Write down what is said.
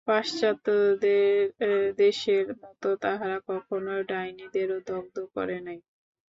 পাশ্চাত্যদেশের মত তাহারা কখনও ডাইনীদেরও দগ্ধ করে নাই।